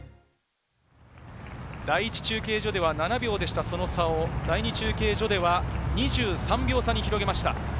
第１中継所では７秒だった差を第２中継所では２３秒差に広げました。